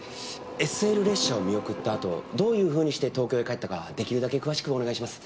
ＳＬ列車を見送ったあとどういうふうにして東京へ帰ったか出来るだけ詳しくお願いします。